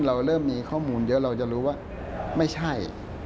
เราเริ่มมีข้อมูลเยอะเราจะรู้ว่าไม่ใช่